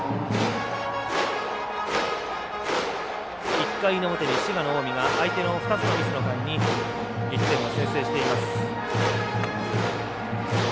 １回の表に滋賀の近江が相手の２つのミスの間に１点を先制しています。